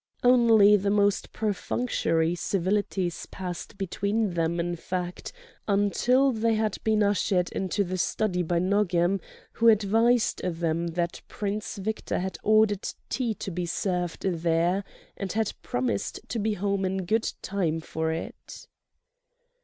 Only the most perfunctory civilities passed between them, in fact, until they had been ushered into the study by Nogam, who advised them that Prince Victor had ordered tea to be served there and had promised to be home in good time for it.